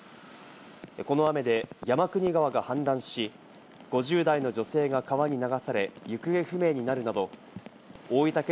この雨で山国川が氾濫し、５０代の女性が川に流され行方不明になるなど大分県